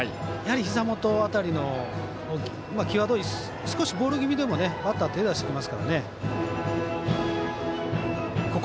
ひざ元辺りのきわどい、少しボール気味でもバッター手を出してきますからね。